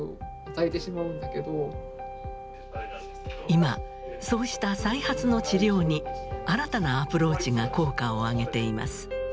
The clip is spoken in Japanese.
今そうした再発の治療に新たなアプローチが効果を上げています。